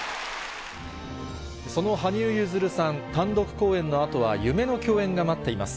その羽生結弦さん、単独公演のあとは、夢の共演が待っています。